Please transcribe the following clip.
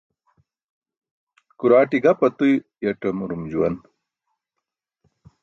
Kuraaṭi gap atuyaṭamurum juwan.